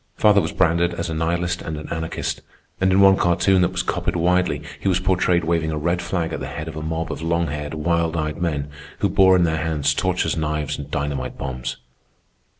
Father was branded as a nihilist and an anarchist, and in one cartoon that was copied widely he was portrayed waving a red flag at the head of a mob of long haired, wild eyed men who bore in their hands torches, knives, and dynamite bombs.